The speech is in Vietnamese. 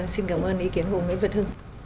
xin cảm ơn ý kiến của người việt hưng